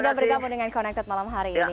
sudah bergabung dengan connected malam hari ini